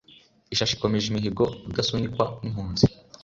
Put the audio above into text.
Ishashi ikomeje imihigo Rudasunikwa n' impunzi